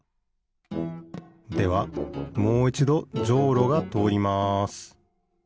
ではもういちどじょうろがとおります